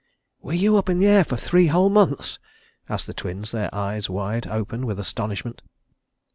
"Were you up in the air for three whole months?" asked the Twins, their eyes wide open with astonishment.